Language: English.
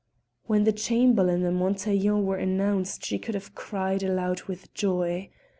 When the Chamberlain and Montaiglon were announced she could have cried aloud with joy.